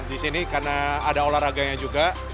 disini karena ada olahraganya juga